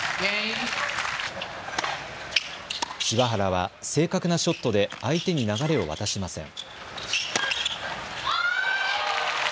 柴原は正確なショットで相手に流れを渡しません。